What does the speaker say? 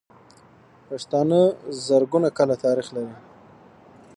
پښتانه زرګونه کاله تاريخ لري.